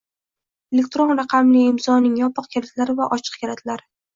Elektron raqamli imzoning yopiq kalitlari va ochiq kalitlari